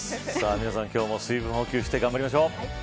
皆さん今日も水分補給して頑張りましょう。